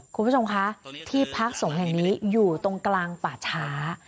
คุณผู้ชมคะที่พักสงฆ์แห่งนี้อยู่ตรงกลางป่าช้า